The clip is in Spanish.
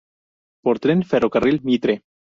Por Tren: Ferrocarril Mitre.